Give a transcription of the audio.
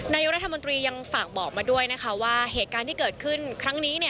นายกรัฐมนตรียังฝากบอกมาด้วยนะคะว่าเหตุการณ์ที่เกิดขึ้นครั้งนี้